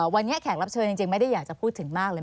วันนี้แขกรับเชิญจริงไม่ได้อยากจะพูดถึงมากเลย